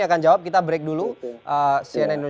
kasih bendera dong dia bayar